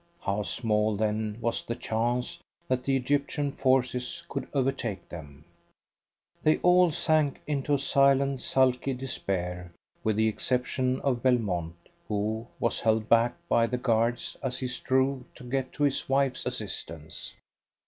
How small, then, was the chance that the Egyptian forces could overtake them. They all sank into a silent, sulky despair, with the exception of Belmont, who was held back by the guards as he strove to go to his wife's assistance.